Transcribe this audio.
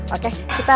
ayahnya di lembut